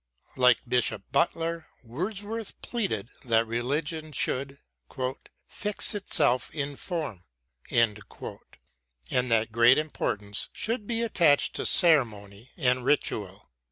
Like Bishop Butler, Wordsworth pleaded that religion should " fix itself in form," and that great importance should be attached to ceremony and ritual.